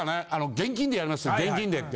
現金でやりますって現金でって。